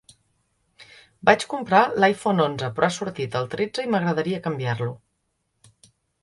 Vaig comprar l'iPhone onze però ha sortit el tretze i m'agradaria canviar-lo.